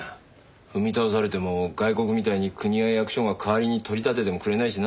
踏み倒されても外国みたいに国や役所が代わりに取り立ててもくれないしな。